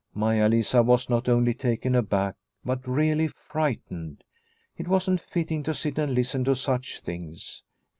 Maia Lisa was not only taken aback, but really frightened. It wasn't fitting to sit and listen to such things.